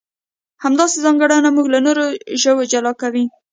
همدا ځانګړنه موږ له نورو ژوو جلا کوي.